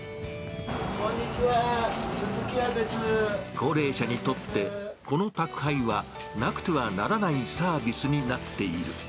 高齢者にとって、この宅配はなくてはならないサービスになっている。